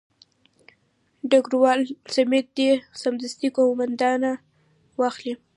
ډګروال سمیت دې سمدستي قومانده واخلي.